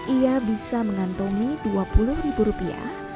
ia bisa mengantongi dua puluh ribu rupiah